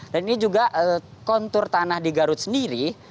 dan ini juga kontur tanah di garut sendiri